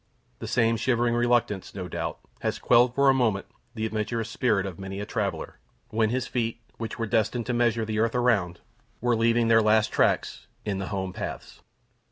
The same shivering reluctance, no doubt, has quelled, for a moment, the adventurous spirit of many a traveller, when his feet, which were destined to measure the earth around, were leaving their last tracks in the home paths.